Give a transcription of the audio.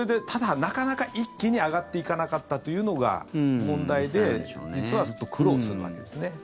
ただ、なかなか一気に上がっていかなかったというのが問題で実はずっと苦労するわけですね。